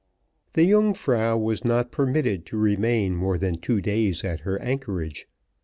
The Yungfrau was not permitted to remain more than two days at her anchorage.